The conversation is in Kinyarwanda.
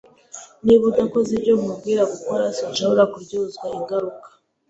Niba udakoze ibyo nkubwira gukora, sinshobora kuryozwa ingaruka.